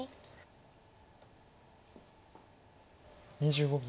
２５秒。